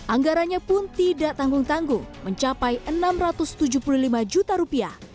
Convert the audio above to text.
anggarannya pun tidak tanggung tanggung mencapai rp enam ratus tujuh puluh lima juta